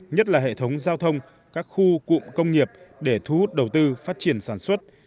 nhất là hệ thống giao thông các khu cụm công nghiệp để thu hút đầu tư phát triển sản xuất